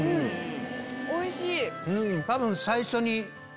おいしい！